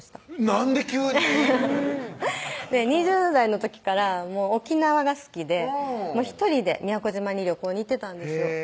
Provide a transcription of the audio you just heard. なんで急に⁉２０代の時から沖縄が好きで１人で宮古島に旅行に行ってたんですよ